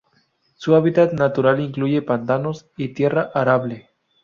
Su hábitat natural incluye pantanos y tierra arable.